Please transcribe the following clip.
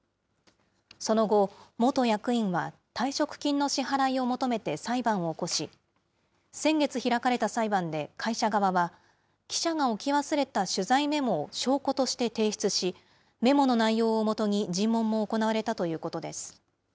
その後、元役員は退職金の支払いを求めて裁判を起こし、先月開かれた裁判で会社側は、記者が置き忘れた取材メモを証拠として提出し、メモの内容を基に尋問も行われたということです。